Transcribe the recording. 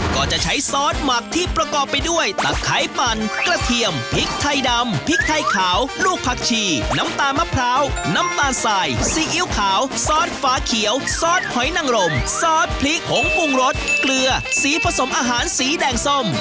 ก็จะใช้ซอสหมักที่ประกอบไปด้วยตะไครปั่นกระเทียมพริกไทยดำพริกไทยขาวลูกผักชีน้ำตาลมะพร้าวน้ำตาลสายซีอิ๊วขาวซอสฝาเขียวซอสหอยนังรมซอสพริกผงปรุงรสเกลือสีผสมอาหารสีแดงส้ม